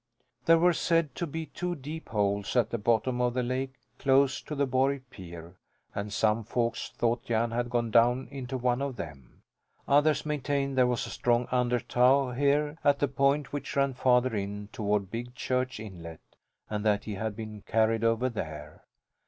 There were said to be two deep holes at the bottom of the lake, close to the Borg pier, and some folks thought Jan had gone down into one of them. Others maintained there was a strong under tow here at the point which ran farther in, toward Big Church Inlet, and that he had been carried over there.